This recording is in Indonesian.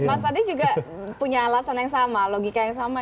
mas adi juga punya alasan yang sama logika yang sama